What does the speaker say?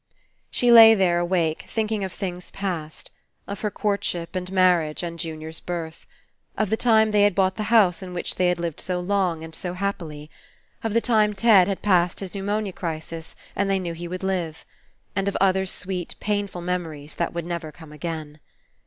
She lay there awake, thinking of things past. Of her courtship and marriage and Jun ior's birth. Of the time they had bought the ^ house in which they had lived so long and so happily. Of the time Ted had passed his pneu monia crisis and they knew he would live. And of other sweet painful memories that would never come again.